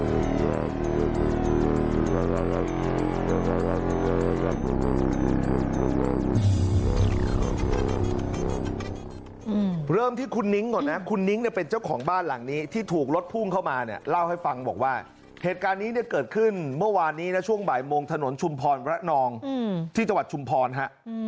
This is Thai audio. เริ่มที่คุณนิ้งก่อนนะคุณนิ้งเนี่ยเป็นเจ้าของบ้านหลังนี้ที่ถูกรถพุ่งเข้ามาเนี่ยเล่าให้ฟังบอกว่าเหตุการณ์นี้เนี่ยเกิดขึ้นเมื่อวานนี้นะช่วงบ่ายโมงถนนชุมพรพระนองที่จังหวัดชุมพรฮะ